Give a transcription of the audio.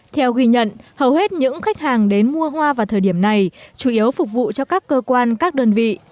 theo ghi nhận hầu hết những khách hàng đến mua hoa vào thời điểm này chủ yếu phục vụ cho các cơ quan các đơn vị